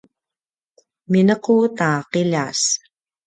minequt a qiljas